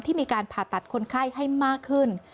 มีการผ่าตัดคนไข้ให้มากขึ้น